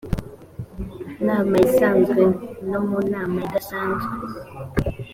nama isanzwe no mu nama idasanzwe igihe